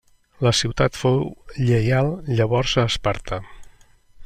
La ciutat fou lleial llavors a Esparta.